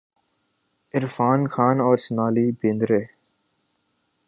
عرفان خان اور سونالی بیندر ے